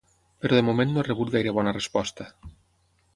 Però de moment no ha rebut gaire bona resposta.